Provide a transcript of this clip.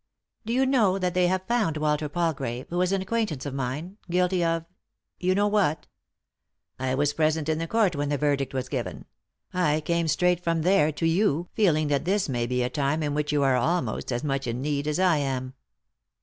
"Do you know that they have found Walter Palgrave, who is an acquaintance of mine, guilty of— you know what ?"" I was present in the court when the verdict was given ; I came straight from there to you, feeling that this may be a time in which you are almost as much in need as I am."